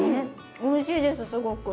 おいしいですすごく。